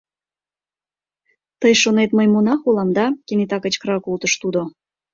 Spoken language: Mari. Тый шонет, мый монах улам, да? — кенета кычкырал колтыш тудо.